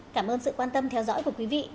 cảm ơn sự quan tâm theo dõi của quý vị